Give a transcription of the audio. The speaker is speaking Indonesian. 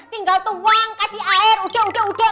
tinggal tuang kasih air udah udah